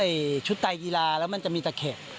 คือใส่ชุดไตรกีฬาแล้วมันจะมีตะเข็ด